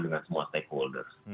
dengan semua stakeholders